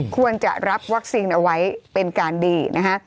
ควรจะรับวัคซีนเอาไว้เป็นการดีนะคะ